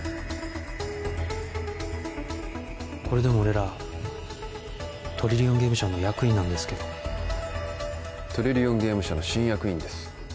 これでも俺らトリリオンゲーム社の役員なんですけどトリリオンゲーム社の新役員です